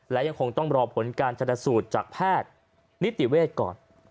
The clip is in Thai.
และยังคงต้องรอผลการชนสูตรจากแพทย์นิติเวทย์ก่อน